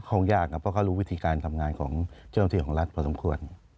คงยากนะเพราะเขารู้วิธีการทำงานของเจ้าหน้าที่ของรัฐพอสมควร